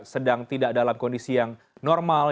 sedang tidak dalam kondisi yang normal